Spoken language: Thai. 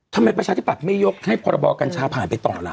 ประชาธิบัตย์ไม่ยกให้พรบกัญชาผ่านไปต่อล่ะ